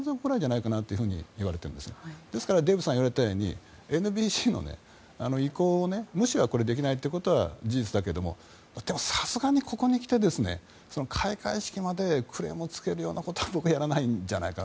ですからデーブさんが言われたようにＮＢＣの意向を無視はできないってことは事実だけれどもさすがにここにきて開会式までクレームをつけるようなことは僕はやらないんじゃないかと。